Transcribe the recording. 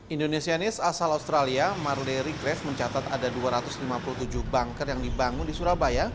indonesianis asal australia marley grav mencatat ada dua ratus lima puluh tujuh banker yang dibangun di surabaya